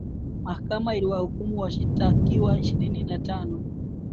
mahakama iliwahukumu washitakiwa ishirini na tano